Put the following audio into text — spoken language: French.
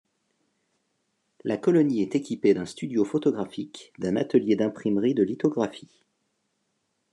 La colonie est équipée d'un studio photographique, d'un atelier d'imprimerie de lithographies.